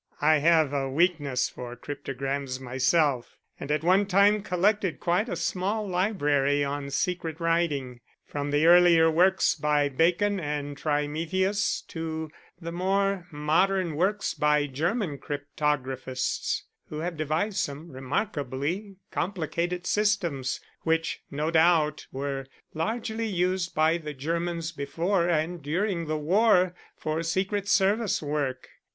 I have a weakness for cryptograms myself, and at one time collected quite a small library on secret writing, from the earlier works by Bacon and Trithemius, to the more modern works by German cryptographists, who have devised some remarkably complicated systems which, no doubt, were largely used by the Germans before and during the war for secret service work.